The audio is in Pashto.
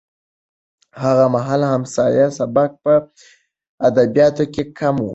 هغه مهال حماسي سبک په ادبیاتو کې کم و.